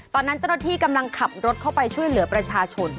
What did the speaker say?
ตอนนั้นเจ้าหน้าที่กำลังขับรถเข้าไปช่วยเหลือประชาชน